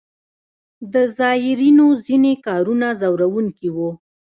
د زایرینو ځینې کارونه ځوروونکي وو.